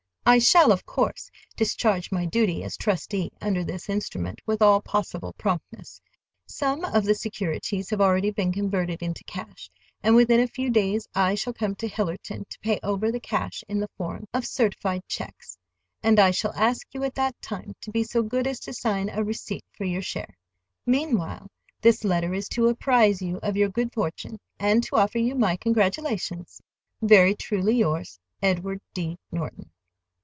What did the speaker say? I shall, of course, discharge my duty as trustee under this instrument with all possible promptness. Some of the securities have already been converted into cash, and within a few days I shall come to Hillerton to pay over the cash in the form of certified checks; and I shall ask you at that time to be so good as to sign a receipt for your share. Meanwhile this letter is to apprise you of your good fortune and to offer you my congratulations. Very truly yours, EDWARD D. NORTON.